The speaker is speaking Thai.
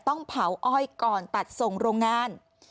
ต้องเผาอ้อยก่อนตัดส่งโรงงาน